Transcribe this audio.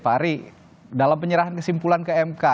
pak ari dalam penyerahan kesimpulan ke mk